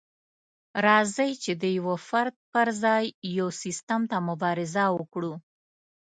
راځئ چې د يوه فرد پر ځای يو سيستم ته مبارزه وکړو.